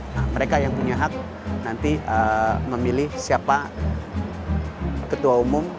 nah mereka yang punya hak nanti memilih siapa ketua umum